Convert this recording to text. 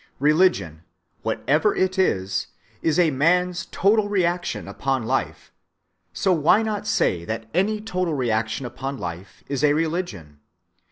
Religion, whatever it is, is a man's total reaction upon life, so why not say that any total reaction upon life is a religion?